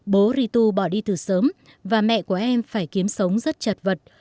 bố ritu bỏ đi từ sớm và mẹ của em phải kiếm sống rất chật vật